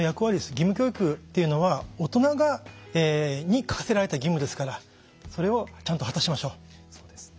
義務教育っていうのは大人に課せられた義務ですからそれをちゃんと果たしましょう。